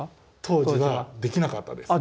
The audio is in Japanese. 当時はできなかったです。